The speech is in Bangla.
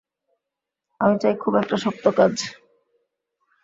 আমি চাই খুব একটা শক্ত কাজ।